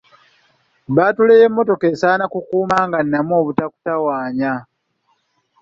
Bbaatule y'emmotoka esaana okukuuma nga nnamu obutakutawaanya.